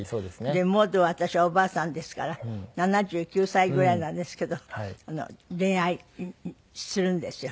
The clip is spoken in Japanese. でモードは私はおばあさんですから７９歳ぐらいなんですけど恋愛するんですよ。